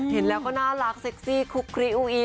เห็นแล้วก็น่ารักเซ็กซี่คลุกคลีอูอี